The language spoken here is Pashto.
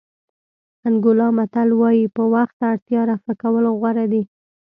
انګولا متل وایي په وخت اړتیا رفع کول غوره دي.